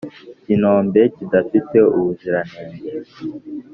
Kinombe kidafite ubuziranenge